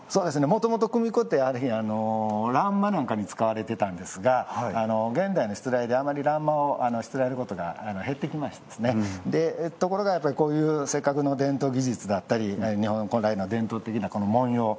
もともと組子って欄間なんかに使われてたんですが現代のしつらえで、あんまり欄間をしつらえることが減ってきましてところが、こういうせっかくの伝統技術だったり日本古来の伝統的な文様